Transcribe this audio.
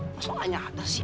masa lo gak nyata sih